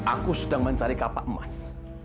aku sedang mencari kapak emas